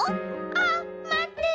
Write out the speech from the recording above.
「あっまって。